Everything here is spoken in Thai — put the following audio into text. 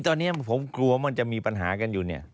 ตอนนี้ผมกลัวว่ามันจะมีปัญหากันอยู่